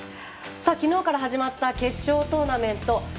昨日から始まった決勝トーナメント。